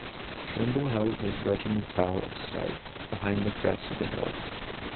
Trimble held his regiments out of sight behind the crest of the hill.